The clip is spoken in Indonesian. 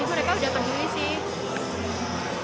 mereka udah peduli sih